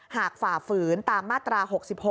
ฝ่าฝืนตามมาตรา๖๖